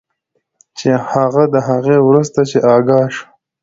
چې هغه د هغې وروسته چې آګاه شو